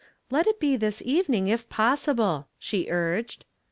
'^ Let it be this evening, if possible," she urged.